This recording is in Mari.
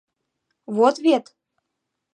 Вот вет...